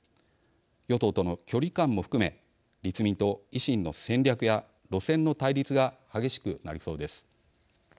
与党との距離感も含め立民と維新の戦略や路線の対立が激しくなりそうです。